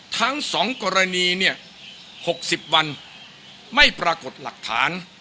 ทั้งสองกรณีเนี่ยหกสิบวันไม่ปรากฏหลักฐาน